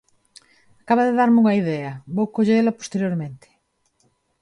Acaba de darme unha idea, vou collela posteriormente.